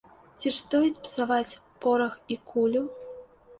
Ці ж стоіць псаваць порах і кулю!?.